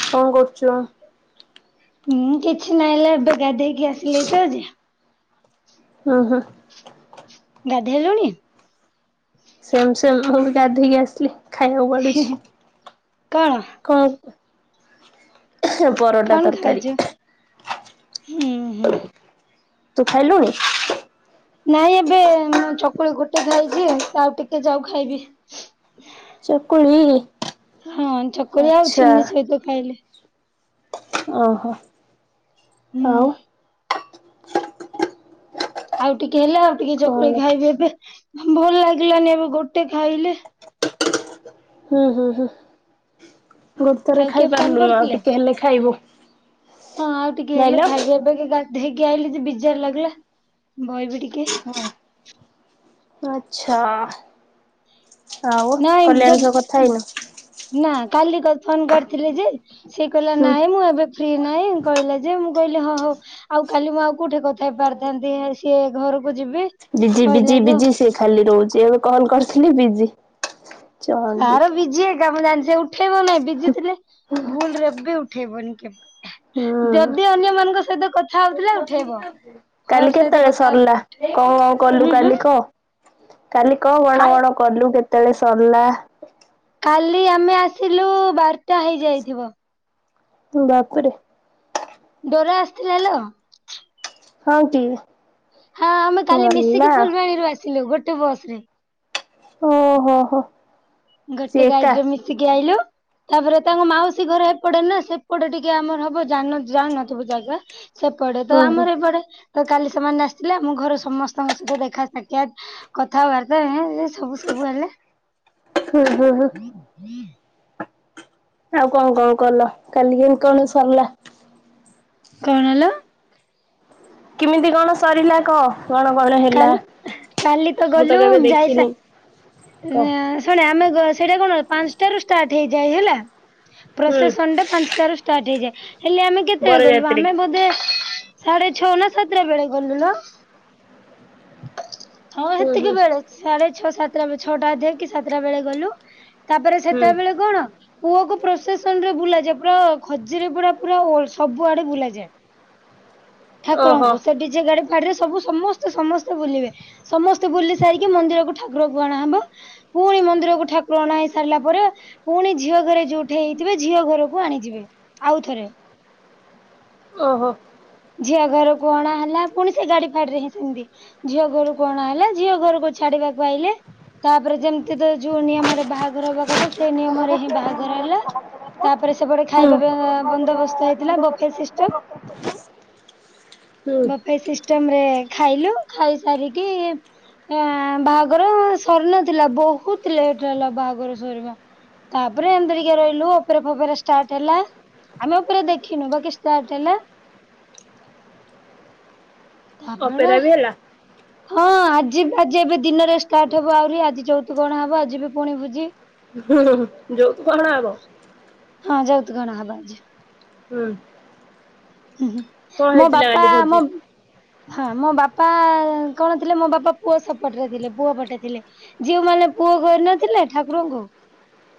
କଣ କରୁଛୁ? ମୁଁ କିଛି ନାଇଲା ଏବେ ଗାଧେଇକି ଆସିଲେ ତ [unintelligible] ହଁ, ହଁ। ଗାଧୋଇେଲୁଣି? ସେମ, ସେମ ମୁଁ ବି ଗାଧୋଇକି ଆସିଲି। ଖାଇବାକୁ ବାଢୁଛି। କଣ କଣ [unintelligible] କଣ ତରକାରୀ ଖାଉଛୁ? ହୁଁ, ହୁଁ। ତୁ ଖାଇଲୁଣି? ନାଇଁ ଏବେ ମୁଁ ଚକୁଳି ଗୋଟେ ଖାଇଛି ଆଉ ଟିକେ ଯାଉ ଖାଇବି। ଚକୁଳି। ହଁ ଚକୁଳି ଆଉ ଆଚ୍ଛା ଚିନି ସହିତ ଖାଇଲେ। ଓହୋ। ହୁଁ ଆଉ? ଆଉ ଟିକେ ହେଲେ ଆଉ ଟିକେ ଚକୁଳି କଣ? ଖାଇବି ଏବେ ଭଲ ଲାଗିଲାନି ଏବେ ଗୋଟେ ଖାଇଲେ ହୁଁ, ହୁଁ, ହୁଁ। ଗୋଟ ଥରେ ଆଉ କିଏ ଫୋନ ଖାଇପାରିଲୁନୁ ଆଉ କରିଥିଲେ? ଟିକେ ହେଲେ ଖାଇବୁ। ହଁ ଆଉ ଟିକେ ହେଲେ ନାଇଁଲ। ଖାଇବି। ଏବେ କି ଗାଧ ଧେଇକି ଆଇିଲି ଯେ ବିଜାର ଲାଗିଲା ବହି ବି ଟିକେ, ଆଛା, ଆଉ ନାଇଁ କଲ୍ୟାଣୀ ସହ ଯ କଥା ହେଇନୁ? ନା କାଲି ଫୋନ କରିଥିଲେି ଯେ, ସେ କହିଲା ହୁଁ ନାଇଁ ମୁଁ ଏବେ ଫ୍ରି ନହିଁ କହିଲା ଯେ, ମୁଁ କହିଲି ହ -ହ -ହଉ, ଆଉ କାଲି ମୁଁ ଆଉ କୋଉଠି କଥା ହେ ପାରିଥାନ୍ତି ସିଏ ଘରକୁ ଯିବି। ବିଜି, ବିଜି, ବିଜି ସେ ଖାଲି ରହୁଛି। ଏବେ କଣ କରିଥିଲି ବିଜି, ଚଣ୍ଡୀ ତାର ବିଜି ହେକା ମୁଁ ଜାଣି ଉଠେଇବ ନାହିଁ। ବିଜି ଥିଲେ ଭୁଲରେ ଇବି ଉଠେଇବନି କେବେ, ହୁଁ ଯଦି ଅନ୍ୟମାନଙ୍କ ସହିତ କଥା ହଉଥିଲା ଉଠେଇବ। ହର କାଲି ସହିତ କେତେବେଳେ କଥା ସରିଲା? ହଉଥିଲା କଣ, କଣ ଉଁ କଲୁ କାଲି ହୁଁ କହ? କାଲି କଣ ବଣ -ବଣ କଲୁ କେତେବେଳେ ସରିଲା? କାଲି ଆମେ ଆସିଲୁ ବାରଟା ହେଇଯାଇଥିବ। ବାପରେ, ଡୋରା ଆସିଥିଲା ହେଲାଉ। ହଁ କି? ହଁ ଆମେ କାଲି ମିଶିକି ଗଲା ଫୁଲବାଣୀରୁୁ ଆସିଲୁ ଗୋଟେ ବସ ରେ। ଓହୋ, ହୋ। ଗୋଟେ ସିଏ ଏକା ଗାଡିରେ ମିଶିକି ଆଇଲୁ, ତାପରେ ତାଙ୍କ ମାଉସୀ ଘର ଏପଟେ ନା ସେପଟେ ଟିକେ ଆମର ହବ ଜାନଥିବୁ, ଜାନନ ଥିବୁ ଜାଗା। ସେପଟେ ତ ହୁଁ ହୁଁ ଆମର ଏପଟେ ତ କାଲି ସେମାନେ ଆସିଥିଲେ ଆମ ଘର ସମସ୍ତଙ୍କ ସହିତ ଦେଖା ସାକ୍ଷାତ କଥାବାର୍ତା ହେ, ଇଏ, ଇଏ ସବୁ ସବୁ ହେଲେ। ହୁଁ, ହୁଁ, ହୁଁ। ହୁଁ ହୁଁ ଆଉ କଣ, କଣ କଲ? କାଲି କେମିତି କଣ ସରିଲା? କଣ ହେଲା? କେମିତି କଣ ସରିଲା କହ? କଣ, କଣ ହେଲା। କାଲି କାଲି ମୁଁ ତ ଗଲୁ କେବେ ଯାଇସା ଦେଖିନି? କହ ଶୁଣେ ଆମେ ସେଇଟା କଣ ପାଞ୍ଚଟ ର ଷ୍ଟାର୍ଟ ହେଇଯାଏ ହେଲା। ହୁଁ ପ୍ରସେସନ ଟା ପାଞ୍ଚଟ ର ଷ୍ଟାର୍ଟ ହେଇଯାଏ ହେଲେ ଆମେ କେତେବେଳେ ଗଲୁ ବରଯାତ୍ରୀ ଆମେ ବୋଧେ ସାଢେ ଛଅ ନା ସାତଟା ବେଳେ ଗଲୁ ଲୋ ହଁ ହୁଁ ହୁଁ ସେତିକି ବେଳେ। ସାଢେ ଛଅ ସାତଟା ବ ଛଅଟା ଅଧକି ସାତଟା ବେଳେ ଗଲୁ ତାପରେ ହୁଁ ସେତେଟା ବେଳେ କଣ? ପୁଅ କୁ ପ୍ରସେସନ ରେ ବୁଲା ଯାଏ ପୁରା ଖଜୁରୀ ପଡା ପୁରା ସବୁ ଆଡେ ବୁଲାଯାଏ। ଓହୋ ଠାକୁରଙ୍କୁ ସେ ଡିଜେ ଗାଡି ରେ ସବୁ ସମସ୍ତେ ସମସ୍ତେ ବୁଲିବେ ସମସ୍ତେ ବୁଲି ସାରିକି ମନ୍ଦିରକୁ ଠାକୁରକୁୁ ଆଣା ହବ। ପୁଣି ମନ୍ଦିରକୁ ଠାକୁର ଅଣ ହେଇ ସାରିଲା ପରେ ପୁଣି ଝିଅ ଘରେ ଯୋଉଠି ହେଇଥିବେ ଝିଅ ଘରକୁ ଆଣିଯିବେ ଆଉଥରେ। ଓହୋ। ଝିଅ ଘର ଅଣା ହେଲା ପୁଣି ସେ ଗାଡି ଫାଡିରେ ହିଁ ସେମିତି। ଝିଅ ଘରୁ ଅଣା ହେଲା ଝିଅ ଘରକୁ ଛାଡିବାକୁ ଆଇଲେ। ତାପରେ ଯେମିତି ତ ଯୋଉ ନିୟମରେ ବାହାଘର ହବା କଥା ସେଇ ନିୟମରେ ହିଁ ବାହାଘର ହେଲା। ତାପରେ ସେପଟେ ହୁଁ ଖାଇବା ବନ୍ଦୋବସ୍ତ ହେଇଥିଲା ବଫେ ସିଷ୍ଟମ। [inaudible] ହୁଁ ବପେଇ ସିଷ୍ଟମ ରେ ଖାଇଲୁ ଖାଇସାରିକି ବାହାଘ ସରି ନଥିଲା ବହୁତ ଲେଟ ହେଲା ବାହାଘର ଶରିବା। ତାପରେ ଏମତି ଟିକେ ରହିଲୁ ଅପେରା ଫପେରା ଷ୍ଟାର୍ଟ ହେଲା। ଆମେଅପେରା ଦେଖିନୁ ବା କି ଷ୍ଟାର୍ଟ ହେଲା। ତାପରେ ଅପେରା ବି ହେଲା। ହଁ ଆଜି ଆଜି ଏବେ ଦିନରେ ଷ୍ଟାର୍ଟ ହବ ଆହୁରି ଆଜି ଚଉତୁକ ଅଣା ହବ ଆଜି ବି ପୁଣି ଭୋଜି। ହୁଁ ଯୋଉ ତୁ କଣ ଆବ [unintelligible] ହଁ ଯାଉତ କଣା ହବା ଆ ଯେ [unintelligible] ହୁଁ। ହ କଣ ମୋ ହେଇଥିଲା ବାପା କାଲି ମୋ ଭୋଜି? ହଁ ମୋ ବାପା କଣ ଥିଲେ ମୋ ବାପା ପୁଅ ସପଟରେ ଥିଲେ ପୁଅ ପଟେ ଥିଲେ। ଝିଅ ମାନେ ପୁଅ କରିନଥିଲେ ଠାକୁରଙ୍କୁ।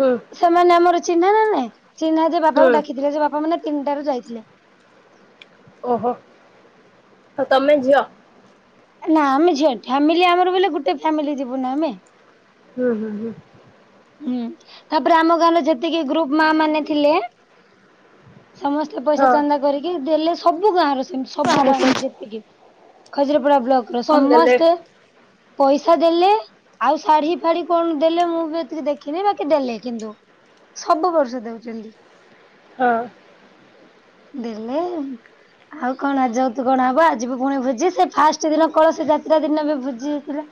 ହଁ। ସେମାନେ ଆମର ଚିହ୍ନା ନା ନଁ ଚିହ୍ନା ଯେ ହୁଁ ବାପାକୁ ଡକିଥିଲେ ବାପା ମାନେ ତିନିଟାରୁ ଯାଇଥିଲେ। ଓହୋ। ଆଉ ତମେ ଝିଅ। ନା ଆମେ ିଅ ଫାମିଲି ଆମର ବୋଇଲେ ଗୋଟେ ଫ୍ୟାମିଲି ଯିବୁନା ଆମେ। ହୁଁ ହୁଁ ହୁଁ। ହୁଁ ତାପରେ ଆମ ଗାଁର ଯେତିକି ଗ୍ରୁପ ମା ମାନେ ଥିଲେ ସମସ୍ଥେ ସେ ହଁ ପଇସା ଚାନ୍ଦା କରିକି ଦେଲେ ସବୁ ଗାଁରେ ସେମତି ସବୁ କାହାର ଗାଁରେ ଏ ଯେତିକି ଖଜୁରପଡା ବ୍ଲକ ର ଫୋନ୍ ଦେଲେ ସମସ୍ତେ ପଇସା ଦେଲେ ଆଉ ଶାଢୀ ଫାଢୀ କଣ ଦେଲେ ମୁଁ ିକ ଦେଖିନି ବାକି ଦେଲେ କିନ୍ତୁ ସବୁ ବର୍ଷ ଦଉଛନ୍ତି। ହଁ। ଦିଲ୍ଲୀ। ଆଉ କଣ ଆ ଯାଉ ତୁ କଣ ହବ ଆଜିିବୁ ପୁଣି ଭୋଜି ସେ ଫାଷ୍ଟ ଦିନ କଳସ ଯାତ୍ରା ଦିନ ବି ଭୋଜି ହେଇଥିଲା।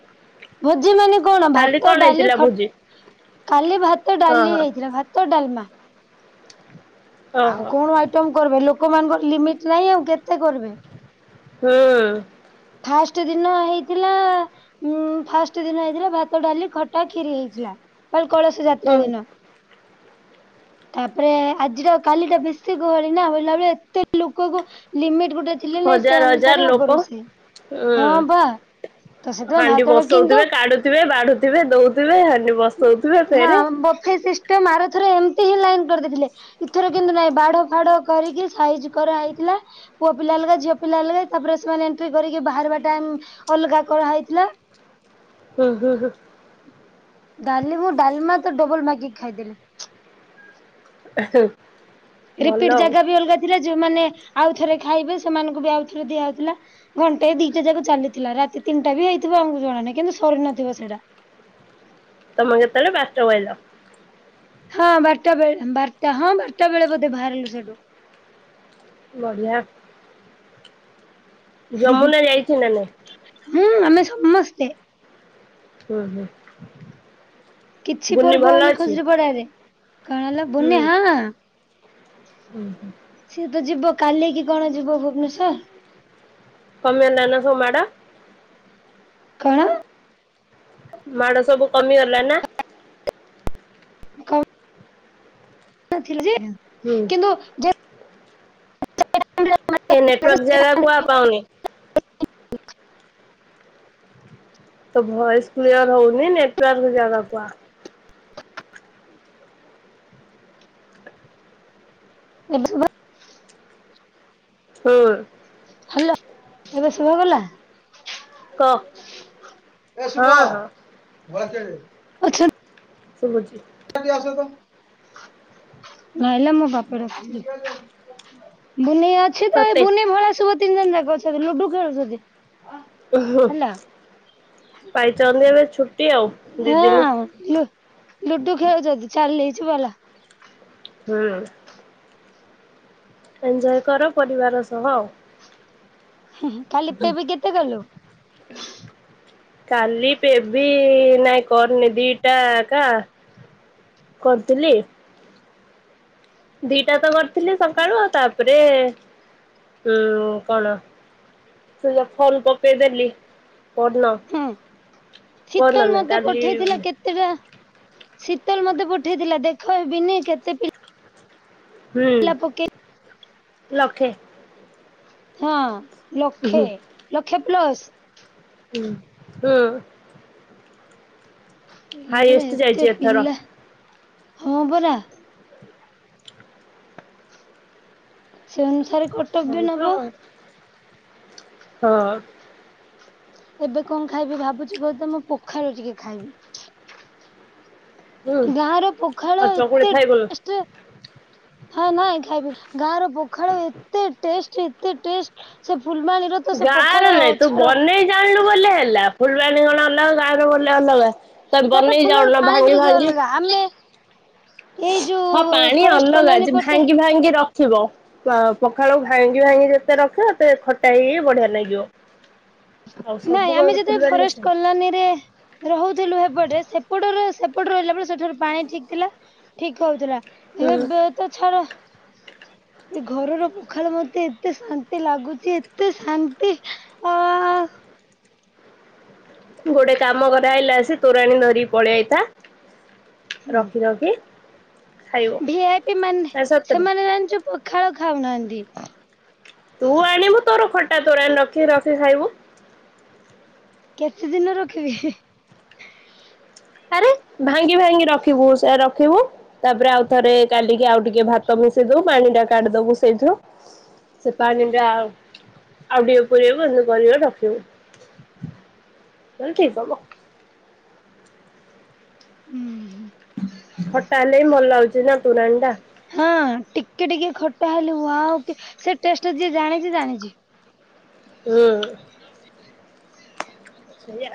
ଭୋଜି ମାନେ କଣ କାଲି ଭାତ କଣ ଡାଲି ହେଇଥିଲା ଖ ଭୋଜି? ଖାଲି ଭାତ ହଁ ଡାଲି ହଁ ହେଇଥିଲା ଭାତ- ଭାତ, ଡଲମା। ଆଉ ଓହୋ କଣ ଆଇଟମ କରିବ ଲୋକମାନଙ୍କର ଲିମିଟ ନାଇଁ ଆଉ କେତେ କରିବେ। ହଁ। ଫାଷ୍ଟ ଦିନ ହେଇଥିଲା। ଉଁ ଫାଷ୍ଟ ଦିନ ହେଇଥିଲା ଭାତ ଡାଲି ଖଟା ଖିରି ହେଇଥିଲା। ହୁଁ। ଯାତ୍ରା ଦିନ। ତାପରେ ଆଜିର କାଲି ଟା ବେଶୀ ଗହଳି ନା ବୋଇଲା ବେଳେ ଏତେ ଲୋକକୁ ଲିମିଟ ଗୋଟେ ଥିଲେ ନାଇଁ ହଜାର ସେ ହଜାର ଅନୁସାରେ ଲୋକ ହବ ରୋଷେଇ ଉଁ ହଁ ବା। ତ ସେଥିପାଇଁ ହାଣ୍ଡି ଭାତଟା କିନ୍ତୁ ବସଉଥିବେ କାଢୁଥିବେ ବାଢୁଥିବେ ଦଉଥିବେ ହାଣ୍ଡି ବସଉ ହଁ ବଫେସିଷ୍ଟମ୍ ଆର ଥର ଏମିତି ହିଁ ଲାଇନ୍ କରିଦେଇଥିଲେ। ଏଥର କିନ୍ତୁ ନାଇଁ ବାଡ ବାଡ କରିକି ସାଇଜ କରାଯାଇଥିଲା। ପୁଅ ପିଲା ଅଲଗା ଝିଅ ପିଲା ଅଲଗା ତାପରେ ସେମାନେ ଏଣ୍ଟ୍ରି କରିକି ବାହାରିବା ଟାଇମ୍ ଅଲଗା କରାହେଇଥିଲା। ହୁଁ ହୁଁ ହୁଁ। କାଲି ମୁଁ ଡାଲିମା ତ ଡବଲ ମାଗିକି ଖାଇଦେଲି। ହ [unintelligible] ରିପିଟି ଜାଗା ବି ଅଲଗା ଥିଲା ଯୋଉମାନେ ଆଉ ଥରେ ଖାଇବେ ସେମାନଙ୍କୁ ବି ଆଉଥରେ ଦିଆହଉଥିଲା। ଘଣ୍ଟା ଦିଟା ଯାକ ଚାଲିଥିଲା ରାତି ତିନିଟା ବି ହେଇଥିବ ଆମକୁ ଜଣାନାହି କିନ୍ତୁ ସରୁନଥିବ ସେଇଟା। ତମେ କେତେବେଳେ ଭାତବାଢିଲ। ହଁ ବାରଟା ବେଳେ ବାରଟା ହଁ ବାରଟା ବେଳେ ବୋଧେ ବାହାରିଲୁ ସେଠୁ। ବଢିଆ। ଯମୁନା ଯାଇଛି ନା ନାଇଁ। ହୁଁ ଆମେ ସମସ୍ତେ। ହୁଁ ହୁଁ। କିଛି ବୁନି ପର୍ବ ଭଲ ହୋଉନି ଅଛି? ଖୁସିରେ ପଡାରେ କଣ ହେଲା ହୁଁ ବୁନିଆ ହଁ। ହୁଁ ହୁଁ। ସିଏ ତ ଯିବ କାଲି କି କଣ ଯିବ ଭୁବନେଶ୍ଵର। କମିଆ ଦାନ ଙ୍କ ମାଡ଼ କଣ? ମାଡ଼ ସବୁ କମିଗଲା ନା? କ ନଥିଲି ଯେ ହୁଁ। କିନ୍ତୁ ଯେ ଏ ନେଟୱାର୍କ ଜାଗା କୁ ଆଉ ପାଉନି। ତୋ ଭଏସ କ୍ଲିୟର ହୋଉନି ନେଟୱାର୍କ ଜାଗାକୁ ଆ। ଏବେ ଶୁଵିଲା ହୁଁ। ହ୍ୟାଲୋ ଏବେ ଶୁଭାଗଲା। କହ। ହଁ ହଁ ଅଛନ୍‌ ଶୁବୁଚି। ଜଲ୍ଲୀ ଆସ ତ। ନାହଲେ ମୋ ବାପା ରଖି ବୁନିଆ ଅଛି ତ ତତେ ବୁନି ଭଳିଆ ସୁଭତିନି ଜଣ ଯାକଅଛନ୍ତି ଲୁଡୁ ଖେଳୁଛନ୍ତି। ଉଁ ହୁଁ ହେଲା ପାଇଚନ୍ତି ଏବେ ଛୁଟି ଆଉ। ଦି ଦିନି ହଁ ଲୁ ଲୁଡୁ ଖେଳୁଛନ୍ତି ଚାଲିଚି ଵାଲା। ହୁଁ। ଏଞ୍ଜୟ କର ପରିବାର ସହ। ହୁ କାଲି କେବି କେତେ କଲୁ? କାଲି ପେବି ନାଇଁ କରନି ଦିଟା କା କରିଥିଲି। ଦିଇଟା ତ କରିଥିଲି ସକାଳୁ ଆଉ ତାପରେ ଉଁ କଣ? ତୁ ଯୋଉ ଫୋନ ପକେଇଦେଲି। ପରଦିନ ହୁଁ ପରଦିନ ନାହିଁ କାଲି ଏଇଟା ଶୀତଲ ମତେ ପଠେଇଥିଲା ଦେଖ ହେ ବିନି କେତେ ପିଲା ପକେଇ ହୁଁ ଲକ୍ଷେ। ହଁ, ହୁଁ ଲକ୍ଷେ ଲକ୍ଷେ ପ୍ଲସ। ଉଁ ହୁଁ। ପିଲା ବେଳେ ହାଇଏଷ୍ଟ ଯାଇଛି ଏତେ ଏଥର ପିଲା ହଁ ପରା। ସେ ଅନୁସାରେ କର [unintelligible] ହଁ। ଏବେ କଣ ଖାଇବି ଭାବୁଛି ବୋଲି ତ ମୁଁ ପଖାଳ ଟିକେ ଖାଇବି। ହୁଁ ଗାଁ ର ପଖାଳ ଆଉ ଚକୁଳି ଏତେ ଖାଇବୁନୁ? ଟେଷ୍ଟ। ହଁ ନାଇଁ ଖାଇବି ଗାଁ ର ପଖାଳ ଏତେ ଟେଷ୍ଟ ଏତେ ଟେଷ୍ଟ ସେ ଫୁଲବାଣୀର ତ ସେ ଗାଁ ପଖାଳ ର ନାଇଁ ତୁ ଛାଡ ବନେଇ ଜାଣିଲୁ ବୋଲେ ହେଲା ଫୁଲବାଣୀ ର କଣ ଅଲଗା ଗାଁ ବୋଲେ ଅଲଗା। ତାକୁ ତାପରେ ବନେଇ ଫୁଲବାଣୀ ଜାଣୁନ ପାଣି ବି ଭାଙ୍ଗି ଟିକେ ଭାଙ୍ଗି ଅଲଗା ଆମେ [inaudible] ଯୋଉ ହଁ ପାଣି ଫରେଷ୍ଟ ଅଲଗା କଲୋନୀ ଯେ ପଟେ ଭାଙ୍ଗି ଭାଙ୍ଗି ର ରଖିବ ପଖାଳକୁ ଭାଙ୍ଗି ଭାଙ୍ଗି ଯେତେ ରଖିବ ସେତେ ଖଟା ହେଇ ହେଇ ବଢିଆ ଲାଗିବ। ଆଉ ସବୁ ନାଇଁ କଣ ଆମେ ଯେତେବେଳେ ଫୁଲବାଣୀ ରେ ଫରେଷ୍ଟ ସେମ୍। କଲୋନୀ ରେ ରହୁଥିଲୁ ହେପଟେ ସେପଟର ସେପଟେ ରହିଲା ବେଳେ ସେଠାର ପାଣି ଠିକ ଥିଲା। ଠିକ କହୁଥିଲା ହୁଁ ଏବେ ତ ଛାଡ଼ ଏ ଘରର ପଖାଳ ମତେ ଏତେ ଶାନ୍ତି ଲାଗୁଛି ଏତେ ଶାନ୍ତି। ଆ ଗୋଟେ କାମ କରେ ଆଇଲା ଆସିକି ତୋରାଣୀ ଧରିକି ପଳି ଆଇଥା। ହୁଁ ଖାଇବ ଭିଆଇପି ମାନେ ଆ ସତରେ ସେମାନେ ଜାଣିଛୁ ପ ଖାଳ ଖାଉନାହାନ୍ତି। ତୁ ଆଣିବୁ ତୋର ଖଟା ତୋରାଣି ରଖି ରଖି ଖାଇବୁ। କେତେ ଦିନ ରଖିବି ହି ହୀ। ଆରେ ଭାଙ୍ଗି ଭାଙ୍ଗି ରଖିବୁ ସେରା ରଖିବୁ। ତାପରେ ଆଉ ଥରେ କାଲିକି ଆଉ ଟିକେ ଭାତ ମିଶେଇ ଦବୁ ପାଣି ଟା କାଢିଦବୁ ସେଇଥୁରୁ ସେ ପାଣି ଟା ଆଉ, ଆଉ ଟିକେ ପୁରେଇବୁ ଇମିତି କରି କରି ରଖିବୁ। ତାହାଲେ ଠିକ୍ ହବ। ହୁଁ। ଖଟା ହେଲେ ହିଁ ଭଲ ଲାଗୁଛି ନା ତୁରାଣି ଟା। ହଁ ଟିକେ ଟିକେ ଖଟା ହେଲେ ଉଆଓ ସେ ଟେଷ୍ଟ ଯିଏ ଜାଣିଛି ଜାଣିଛି। ହୁଁ। [inaudible] [inaudible] ସେଇୟା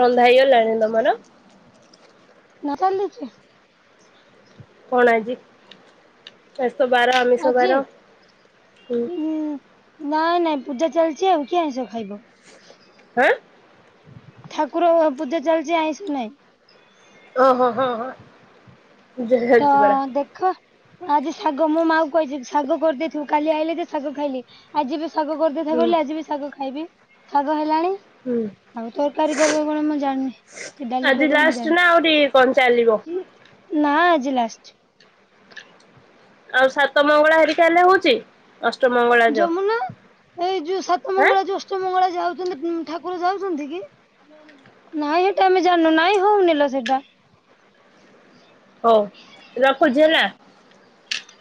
ରନ୍ଧା ହେଇଗଲାଣି ତମର? ନା ଚାଲିଛି। କଣ ଆଜି ଶେଷ ବାର ଆମିଷ ଆଜି ବାର ହୁଁ। ଉଁ ନାଇଁ ନାଇଁ ପୂଜା ଚାଲିଚି ଆଉ କିଏ ଆଁଇସ ଖାଇବ। ହାଁ। ଠାକୁର ପୂଜା ଚାଲିଚି ଆଁଇସ ନାହିଁ। ଓ ହୋ ହଁ ହଁ। ତ ଝାରୁଛି ପରା ଦେଖ। ଆଜି ଶାଗ ମୋ ମାଆକୁ କହିଛି ଶାଗ କରିଦେଇଥିବୁ କାଲି ଆଇଲି ଯେ ଶାଗ ଖାଇଲି। ଆଜି ବି ଶାଗ କରିଦେଇଥା ହୁଁ କହିଲେ ଆଜି ବି ଶାଗ ଖାଇବି ଶାଗ ହେଲାଣି। ହୁଁ। ଆଉ ତରକାରୀ କରିବ କଣ ମୁଁ ଜାଣିନି। କି ଡାଲି ଆଜି କରିବ ମୁଁ ଲାଷ୍ଟେ ଜାଣିନି। ନା ଆଉ ଟିକେ କଣ ଚାଲିବ? ନା ଆଜି ଲାଷ୍ଟେ। ଆଉ ସାତ ମଙ୍ଗଳା ହେରିକା ହେଲେ ହୋଉଚି? ଅଷ୍ଟମଙ୍ଗଳ ଯମୁନା ଏଇ ଯୋଉ ସାତ ଆଁ ମଙ୍ଗଳା ଯୋଉ ସାତ ମଙ୍ଗଳା ଯାଉଚନ୍ତି ଠାକୁର ଯାଉଚନ୍ତି କି? ନାଇଁ ସେଇଟା ଆମେ ଜାଣିନୁ ନାଇଁ ହଉନି ଲୋ ସେଇଟା। ହୋଉ ରଖୁଚି ହେଲା।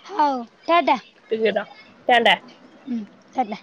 ହଉ ଟାଆଟାଆ। ଟିକେ ର ଟା ଟା। ହୁଁ ଟାଟା।